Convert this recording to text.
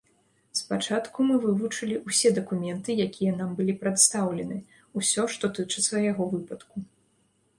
Спачатку мы вывучылі ўсе дакументы, якія нам былі прадастаўлены, усё, што тычыцца яго выпадку.